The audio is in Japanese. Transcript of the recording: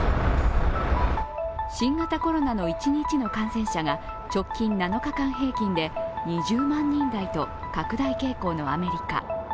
新型コロナの一日の感染者が直近７日間平均で２０万人台と拡大傾向のアメリカ。